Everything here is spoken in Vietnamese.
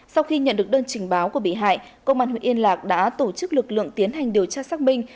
sau khi nhận được đơn trình báo của bị hại công an huyện yên lạc đã tổ chức lực lượng tiến hành điều tra xác minh